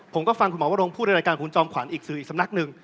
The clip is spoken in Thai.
ผมก็ฟังคุณหมอวรงพูดในรายการคุณจอมขวัญอีกสื่ออีกสำนักหนึ่ง